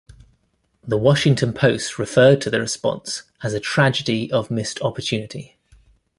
The Washington Post referred to the response as "a tragedy of missed opportunity".